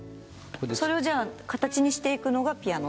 それを形にしていくのがピアノ？